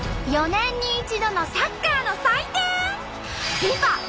４年に一度のサッカーの祭典！